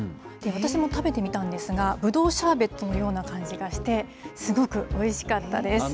私も食べてみたんですが、ブドウシャーベットのような感じがして、すごくおいしかったです。